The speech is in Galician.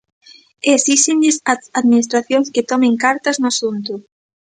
E esíxenlles ás administracións que tomen cartas no asunto.